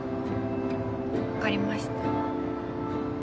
わかりました。